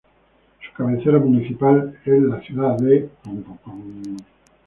Su cabecera municipal es la ciudad de.